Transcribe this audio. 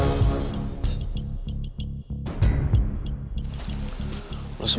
ya udah langsung ke base cam